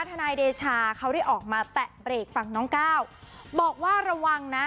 ทนายเดชาเขาได้ออกมาแตะเบรกฝั่งน้องก้าวบอกว่าระวังนะ